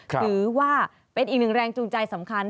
ถือว่าเป็นอีกหนึ่งแรงจูงใจสำคัญ